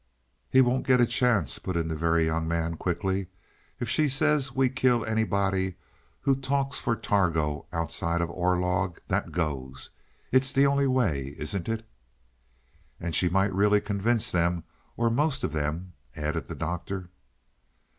"He won't get a chance," put in the Very Young Man quickly. "If she says we kill anybody who talks for Targo outside of Orlog, that goes. It's the only way, isn't it?" "And she might really convince them or most of them," added the Doctor.